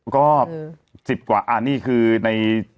ก็๑๐กว่าอันนี้คือใน